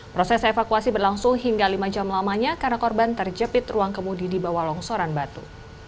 proses evakuasi berlangsung hingga lima jam lamanya karena korban terjepit ruang kemudi di bawah longsoran batu